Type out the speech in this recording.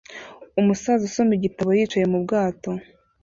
Umusaza usoma igitabo yicaye mu bwato